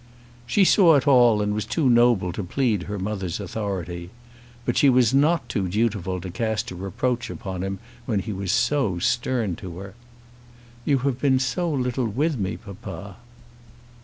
She saw it all, and was too noble to plead her mother's authority. But she was not too dutiful to cast a reproach upon him, when he was so stern to her. "You have been so little with me, papa."